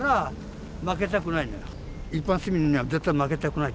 一般市民には絶対負けたくない。